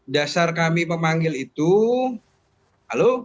dasar kami memanggil itu